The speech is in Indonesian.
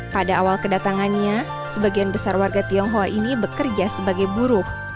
pada awal kedatangannya sebagian besar warga tionghoa ini bekerja sebagai buruh